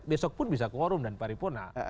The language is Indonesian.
besok pun bisa quorum dan paripurna